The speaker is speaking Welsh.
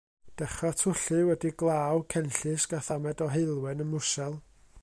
Dechra t'wllu wedi glaw, cenllysg a thamed o heulwen ym Mrwsel.